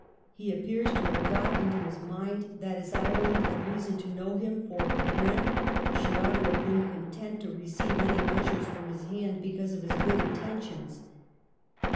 He appears to have got into his mind that, as Ireland had reason to know him for her friend, she ought to have been content to receive any measures from his hand because of his good intentions.